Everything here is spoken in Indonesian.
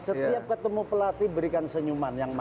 setiap ketemu pelatih berikan senyuman yang baik